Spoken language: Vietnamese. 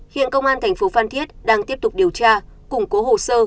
hiện công an thành phố phan thiết đang tiếp tục điều tra củng cố hồ sơ